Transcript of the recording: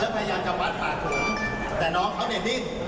แล้วพยายามจะปาดผ่านถึงแต่น้องเขาเนี่ยดิ้น